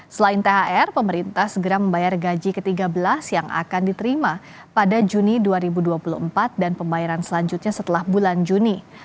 selain thr pemerintah segera membayar gaji ke tiga belas yang akan diterima pada juni dua ribu dua puluh empat dan pembayaran selanjutnya setelah bulan juni